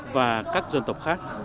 và các dân tộc khác